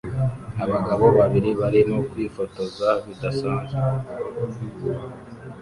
Abagabo babiri barimo kwifotoza bidasanzwe